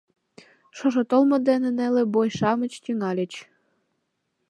Шошо толмо дене неле бой-шамыч тӱҥальыч.